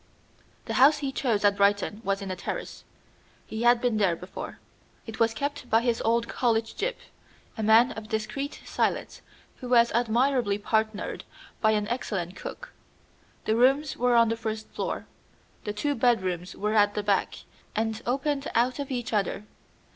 The house he chose at Brighton was in a terrace. He had been there before. It was kept by his old college gyp, a man of discreet silence, who was admirably partnered by an excellent cook. The rooms were on the first floor. The two bedrooms were at the back, and opened out of each other.